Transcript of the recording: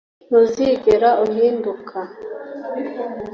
ntuzigera uhinduka